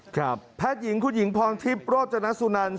ครับแพทย์หญิงคุณหญิงพรองทิพย์โปรดจนสุนันดิ์